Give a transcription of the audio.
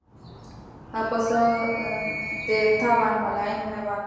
پسه د طبعاً ملایم حیوان دی.